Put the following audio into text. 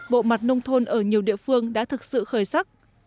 bộ mặt nông thôn ở nhiều địa phương đã thực sự khởi sắc